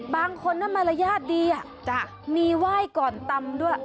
บางคนมารยาทดีมีไหว้ก่อนตำด้วย